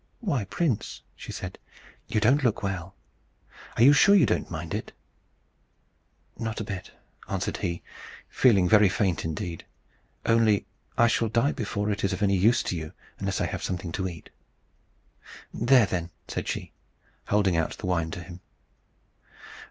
"Why, prince," she said, "you don't look well! Are you sure you don't mind it?" "Not a bit," answered he, feeling very faint in deed. "Only I shall die before it is of any use to you, unless I have something to eat." "There, then," said she, holding out the wine to him.